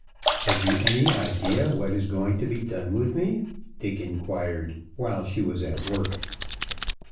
"Have you any idea what is going to be done with me?" Dick inquired, while she was at work.